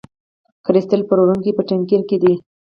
کریستال پلورونکی په تنګیر کې دی.